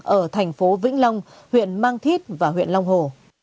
ở thành phố vĩnh long huyện mang thít và huyện long hồ